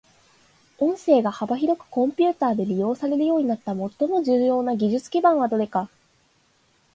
音声が幅広くコンピュータで利用されるようになった最も重要な技術基盤はどれか。